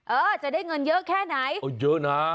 เออจะได้เงินเยอะแค่ไหนโอ้เยอะนะ